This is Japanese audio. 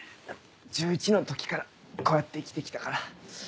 １１の時からこうやって生きて来たから。